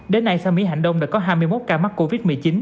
đến nay xã mỹ hạnh đông đã có hai mươi một ca mắc covid một mươi chín